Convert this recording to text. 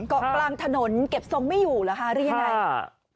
เกาะกลางถนนเก็บทรงไม่อยู่เหรอคะหรือยังไง